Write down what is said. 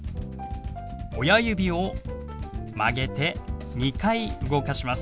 親指を曲げて２回動かします。